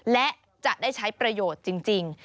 และจะได้ใช้ประโยชน์จริง